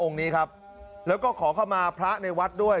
นี้ครับแล้วก็ขอเข้ามาพระในวัดด้วย